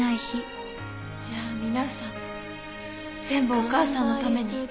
じゃあ皆さん全部お母さんのために？